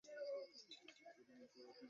শুভকামনা, Mr Whitaker.